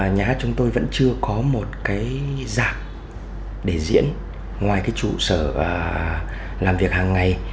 nhà hát chúng tôi vẫn chưa có một cái giạc để diễn ngoài cái trụ sở làm việc hàng ngày